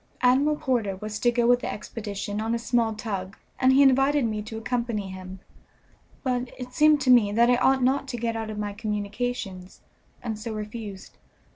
Admiral Porter was to go with the expedition on a small tug, and he invited me to accompany him, but it seemed to me that I ought not to get out of my communications, and so refused.